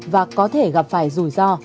và có thể gặp phải rủi ro